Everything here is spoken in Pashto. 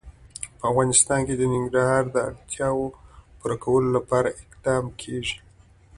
په افغانستان کې د ننګرهار د اړتیاوو پوره کولو لپاره اقدامات کېږي.